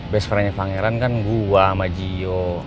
best friend nya pangeran kan gue sama gio